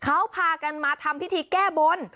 เขาพากันมาทำพิธีแก้บน